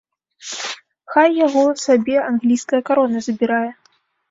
Хай яго сабе англійская карона забірае!